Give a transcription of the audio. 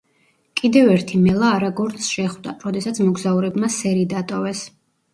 კიდევ ერთი მელა არაგორნს შეხვდა, როდესაც მოგზაურებმა სერი დატოვეს.